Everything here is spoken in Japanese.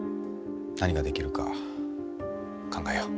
何ができるか考えよう。